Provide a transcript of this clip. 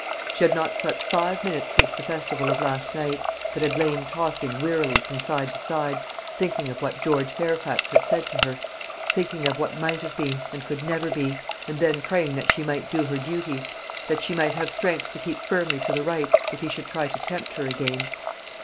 She had not slept five minutes since the festival of last night, but had lain tossing wearily from side to side, thinking of what George Fairfax had said to her thinking of what might have been and could never be, and then praying that she might do her duty; that she might have strength to keep firmly to the right, if he should try to tempt her again.